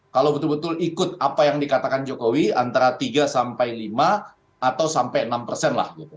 kalau betul betul ikut apa yang dikatakan jokowi antara tiga sampai lima atau sampai enam persen lah gitu